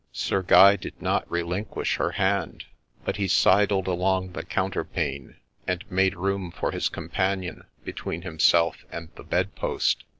— Sir Guy did not relinquish her hand ; but he sidled along the counterpane, and made room for his companion between himself and the bed post.